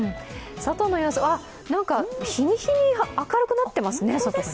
外の様子、なんか日に日に明るくなってますね。